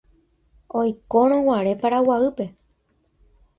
Oikórõguare Paraguaýpe